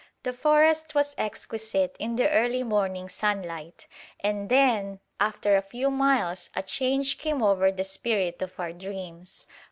The forest was exquisite in the early morning sunlight. And then ... after a few miles a "change came o'er the spirit of our dreams."